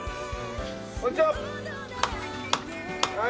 こんにちはっ！